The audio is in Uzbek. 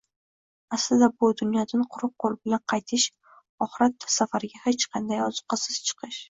Aslida, bu dunyodan quruq qo‘l bilan qaytish, oxirat safariga hech qanday ozuqasiz chiqish